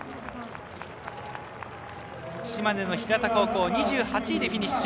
島根の平田高校２８位でフィニッシュ。